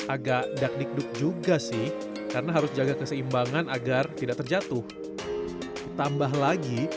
agak dakdikduk juga sih karena harus jaga keseimbangan agar tidak terjatuh tambah lagi